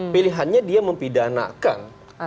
pilihannya dia mempidanakan